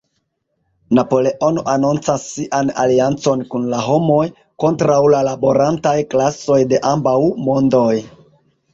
Napoleono anoncas sian aliancon kun la homoj, kontraŭ la laborantaj klasoj de ambaŭ "mondoj.